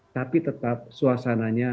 tapi tetap suasananya